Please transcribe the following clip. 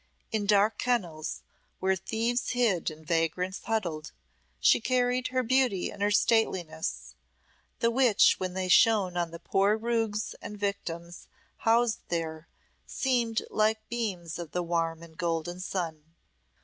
In dark kennels, where thieves hid and vagrants huddled, she carried her beauty and her stateliness, the which when they shone on the poor rogues and victims housed there seemed like the beams of the warm and golden sun.